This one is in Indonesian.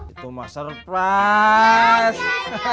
itu mah surprise